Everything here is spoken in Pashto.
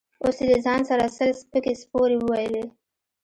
اوس يې له ځان سره سل سپکې سپورې وويلې.